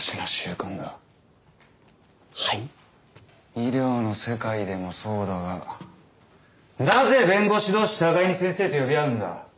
医療の世界でもそうだがなぜ弁護士同士互いに先生と呼び合うんだ？